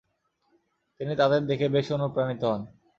তিনি তাদের দেখে বেশ অনুপ্রাণিত হন।